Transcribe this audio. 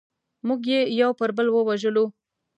موږ یې یو پر بل ووژلو.